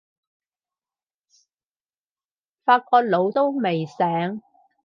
法國佬都未醒